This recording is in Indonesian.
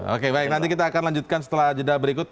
oke baik nanti kita akan lanjutkan setelah jeda berikut